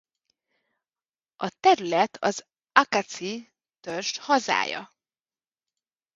A terület az acaxee-törzs hazája.